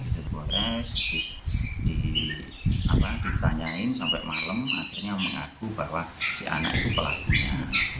dibores ditanyakan sampai malam akhirnya mengaku bahwa si anak itu pelakunya